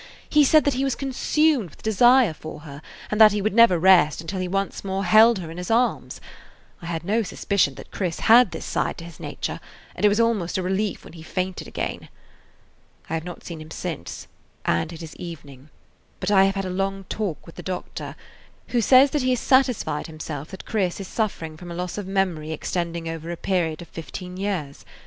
He said that he was consumed with desire for her and that he would never rest until he once more held her in his arms. I had no suspicion that Chris had this side to his nature, and it was almost a relief when he fainted again. I have not seen him since, and it is evening; but I have had a long talk with the doctor, who [Page 40] says that he has satisfied himself that Chris is suffering from a loss of memory extending over a period of fifteen years.